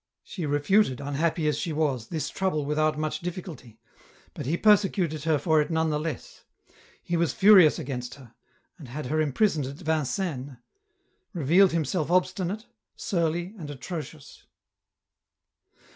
She refuted, unhappy as she was, this trouble without much difficulty, but he persecuted her for it none the less ; he was furious against her, and had her imprisoned at Vincennes; revealed himself obstinate, surly, and atrocious.